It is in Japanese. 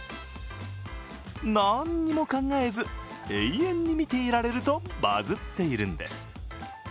何も考えず永遠に見ていられるとバズっているんです。